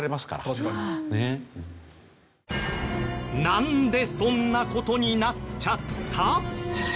なんでそんな事になっちゃった？